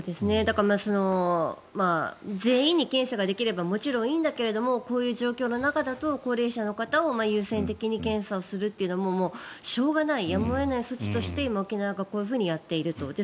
だから全員に検査ができればもちろんいいんだけどこういう状況の中だと高齢者の方を優先的に検査をするというのももうしょうがないやむを得ない措置として今、沖縄がこういうふうにやっていると。